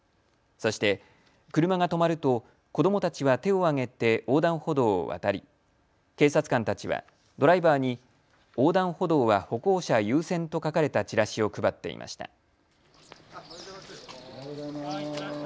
そして、車が止まると子どもたちは手を上げて横断歩道を渡り、警察官たちはドライバーに横断歩道は歩行者優先と書かれたチラシを配っていました。